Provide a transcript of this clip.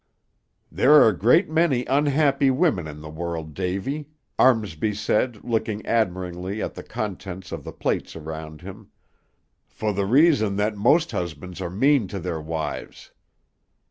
"There are a great many unhappy women in the world, Davy," Armsby said, looking admiringly at the contents of the plates around him, "for the reason that most husbands are mean to their wives.